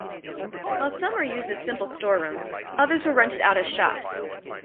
While some were used as simple storerooms, others were rented out as shops.